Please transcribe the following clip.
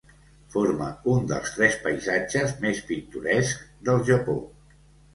Forma un dels tres paisatges més pintorescs del Japó.